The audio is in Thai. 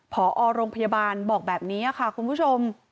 พอโรงพยาบาลบอกแบบนี้ค่ะคุณผู้ชม